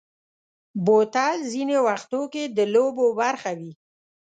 بوتل ځینې وختو کې د لوبو برخه وي.